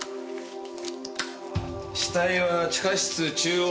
死体は地下室中央。